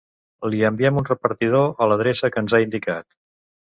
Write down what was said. Li enviem un repartidor a l'adreça que ens ha indicat.